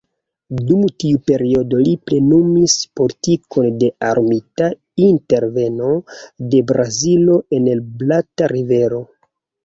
Dum tiu periodo li plenumis politikon de armita interveno de Brazilo en la Plata-Rivero.